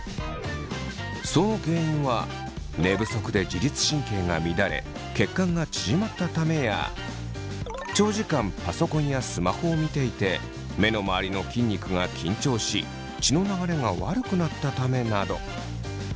その原因は「寝不足で自律神経が乱れ血管が縮まったため」や「長時間パソコンやスマホを見ていて目の周りの筋肉が緊張し血の流れが悪くなったため」など。